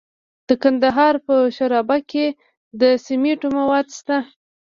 د کندهار په شورابک کې د سمنټو مواد شته.